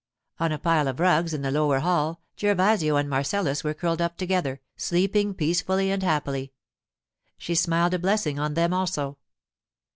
On a pile of rugs in the lower hall Gervasio and Marcellus were curled up together, sleeping peacefully and happily. She smiled a blessing on them also.